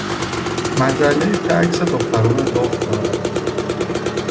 مجلهای که عکس دختران لخت دارد